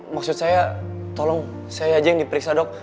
maksud saya tolong saya aja yang diperiksa dok